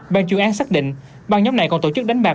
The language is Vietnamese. ban chuyên án xác định ban nhóm này còn tổ chức đánh bạc